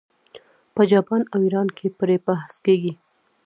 په جاپان او ایران کې پرې بحث کیږي.